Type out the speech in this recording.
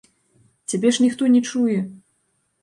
Цябе ж ніхто не чуе!